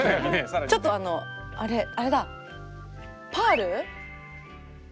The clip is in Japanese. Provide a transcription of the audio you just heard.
ちょっとあのあれあれだ！